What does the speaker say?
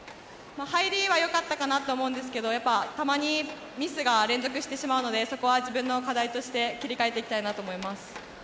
入りは良かったかなと思うんですけどたまにミスが連続してしまうのでそこは自分の課題として切り替えていきたいと思います。